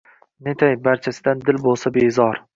Netay, barchasidan dil bo‘lsa bezor —